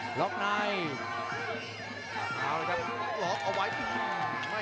ประเภทมัยยังอย่างปักส่วนขวา